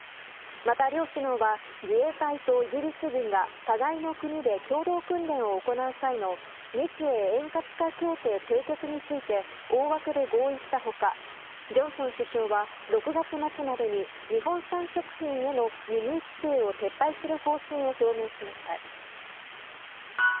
また、両首脳は自衛隊とイギリス軍が互いの国で共同訓練を行う際の日英円滑化協定締結について大枠で合意した他ジョンソン首相は６月末までに日本産食品への輸入規制を撤廃する方針を表明しました。